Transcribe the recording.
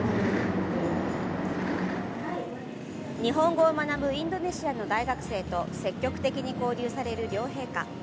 日本語を学ぶインドネシアの大学生と積極的に交流される両陛下。